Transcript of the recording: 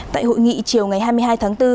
tại hội nghị chiều ngày hai mươi hai tháng bốn